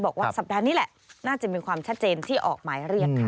บอกว่าสัปดาห์นี้แหละน่าจะมีความชัดเจนที่ออกหมายเรียกค่ะ